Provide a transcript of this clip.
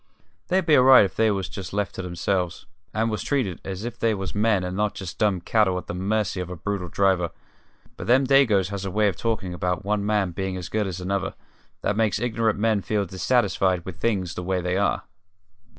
They'd be all right if they was left to their selves, and was treated as if they was men and not just dumb cattle at the mercy of a brutal driver; but them Dagoes has a way of talkin' about one man being as good as another that makes ignorant men feel dissatisfied with things the way they are."